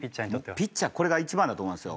ピッチャーこれが一番だと思いますよ。